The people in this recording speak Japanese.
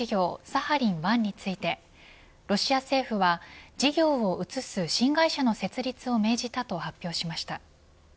サハリン１についてロシア政府は、事業を移す新会社の設立を命じたと発表しました。